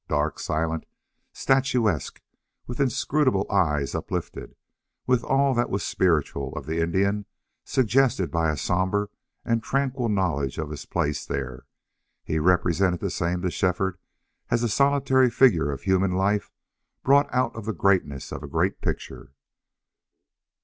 Dark, silent, statuesque, with inscrutable eyes uplifted, with all that was spiritual of the Indian suggested by a somber and tranquil knowledge of his place there, he represented the same to Shefford as a solitary figure of human life brought out the greatness of a great picture.